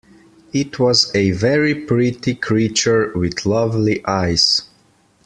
It was a very pretty creature, with lovely eyes.